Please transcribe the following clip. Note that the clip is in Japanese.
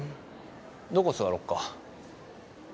どこ座ろっか。